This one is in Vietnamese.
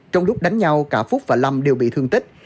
trong lúc đánh nhau cả phúc và lâm đều bị thương tích